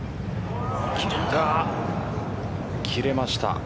切れました。